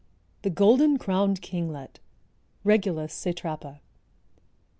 THE GOLDEN CROWNED KINGLET. (_Regulus satrapa.